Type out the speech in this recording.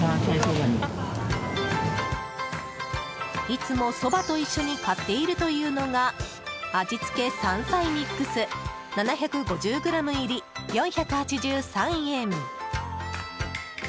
いつも、そばと一緒に買っているというのが味付け山菜ミックス７５０ｇ入り、４８３円。